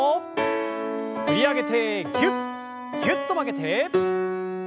振り上げてぎゅっぎゅっと曲げて。